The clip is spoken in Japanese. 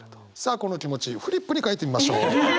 この気持ちフリップに書いてみましょう。